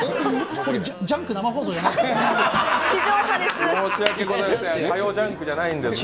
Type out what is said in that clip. これ「ジャンク」生放送じゃないんですか？